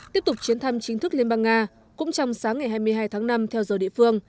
tiếp tục chuyến thăm chính thức liên bang nga cũng trong sáng ngày hai mươi hai tháng năm theo giờ địa phương